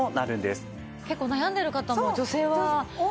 結構悩んでる方も女性は。